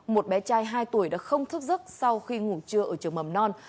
một bé trai hai tuổi đã không thức giấc sau khi ngủ trưa ở trường mầm non